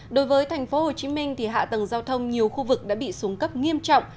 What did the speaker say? đối với tp hcm hạ tầng giao thông nhiều khu vực đã bị xuống cấp nghiêm trọng